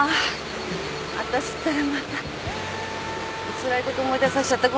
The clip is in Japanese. つらいこと思い出させちゃった。